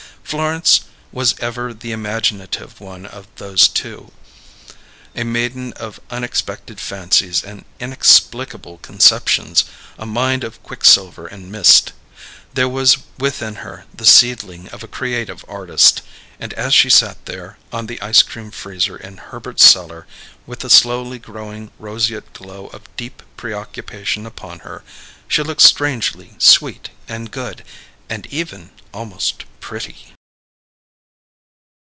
Florence was ever the imaginative one of those two, a maiden of unexpected fancies and inexplicable conceptions, a mind of quicksilver and mist. There was within her the seedling of a creative artist, and as she sat there, on the ice cream freezer in Herbert's cellar, with the slowly growing roseate glow of deep preoccupation upon her, she looked strangely sweet and good, and even almost pretty.